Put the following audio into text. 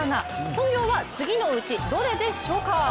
本業は次のうちどれでしょうか？